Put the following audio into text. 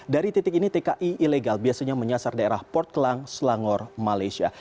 dari titik ini tki ilegal biasanya menyasar daerah port kelang selangor malaysia